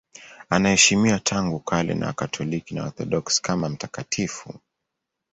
Anaheshimiwa tangu kale na Wakatoliki na Waorthodoksi kama mtakatifu.